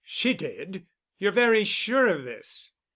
"She did." "You're very sure of this?"